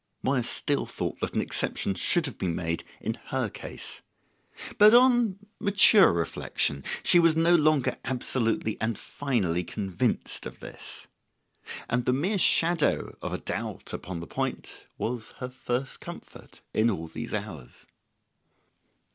Moya still thought that an exception should have been made in her case. But, on mature reflection, she was no longer absolutely and finally convinced of this. And the mere shadow of a doubt upon the point was her first comfort in all these hours.